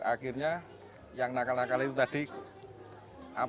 akhirnya yang nakal nakal itu tadi di gugup